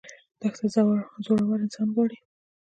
دښته زړور انسان غواړي.